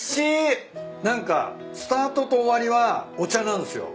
何かスタートと終わりはお茶なんすよ。